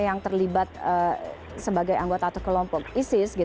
yang terlibat sebagai anggota atau kelompok isis